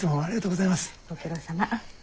ご苦労さま。